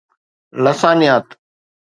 لسانيات